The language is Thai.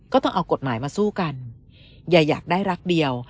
ต้องเอากฎหมายมาสู้กันอย่าอยากได้รักเดียว